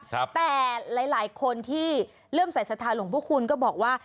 แต่หลายคนที่เริ่มใส่สัทธาหลวงพระคุณก็บอกว่า